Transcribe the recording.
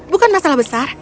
bukan masalah besar